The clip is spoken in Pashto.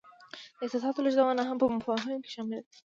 د احساساتو لیږدونه هم په مفاهمه کې شامله ده.